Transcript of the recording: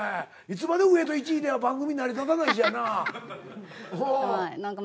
いつまでも上戸１位では番組成り立たないしやな。